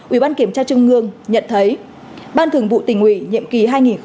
ủy ban kiểm tra trung ương nhận thấy ban thường vụ tỉnh ủy nhiệm kỳ hai nghìn một mươi năm hai nghìn hai mươi